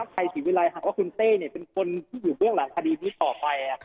ศรีวิรัยหากว่าคุณเต้เป็นคนที่อยู่เบื้องหลังคดีนี้ต่อไป